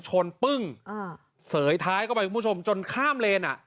ปึ้งอ่าเสยท้ายเข้าไปคุณผู้ชมจนข้ามเลนอ่ะ